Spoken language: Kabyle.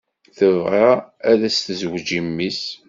Tebɣa ad s-tezweǧ i mmi-s.